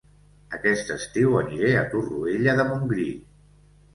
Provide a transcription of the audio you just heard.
Aquest estiu aniré a Torroella de Montgrí